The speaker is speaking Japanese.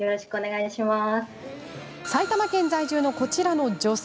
埼玉県在住のこちらの女性。